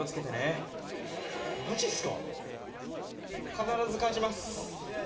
必ず返します